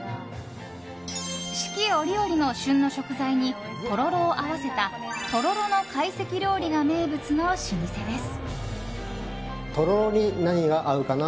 四季折々の旬の食材にとろろを合わせたとろろの懐石料理が名物の老舗です。